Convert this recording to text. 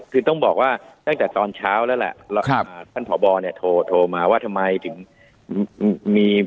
คือต้องบอกว่าตั้งแต่ตอนเช้าแล้วแหละท่านผอบอเนี่ยโทรมาว่าทำไมถึงมี